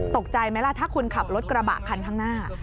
ตกใจไหมล่ะถ้าคุณขับรถกระบะคันข้างหน้า